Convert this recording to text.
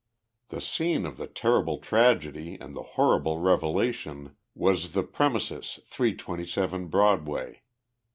The scene of the terrible tragedy and the horrible revelation was the premises 327 Broatfway.